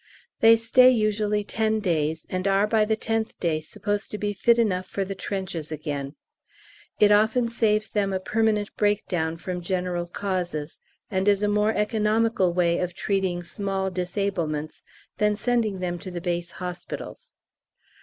They stay usually ten days, and are by the tenth day supposed to be fit enough for the trenches again; it often saves them a permanent breakdown from general causes, and is a more economical way of treating small disablements than sending them to the Base Hospitals.